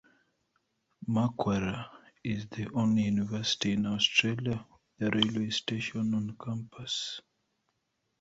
Macquarie is the only university in Australia with a railway station on campus.